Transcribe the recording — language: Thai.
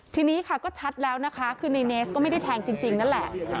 ทีนี้ค่ะก็ชัดแล้วนะคะคือในเนสก็ไม่ได้แทงจริงนั่นแหละ